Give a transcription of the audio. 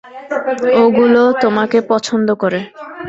ওগুলো তোমাকে পছন্দ করে।